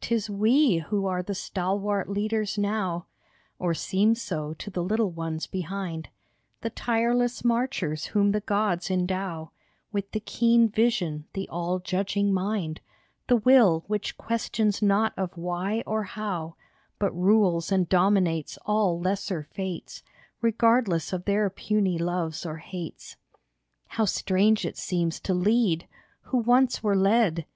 'T is we who are the stalwart leaders now (Or seem so to the little ones behind), The tireless marchers whom the gods endow With the keen vision, the all judging mind, The will, which questions not of why or how, But rules and dominates all lesser fates, Regardless of their puny loves or hates ! How strange it seems to lead, who once were led